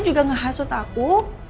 juga menghasut aku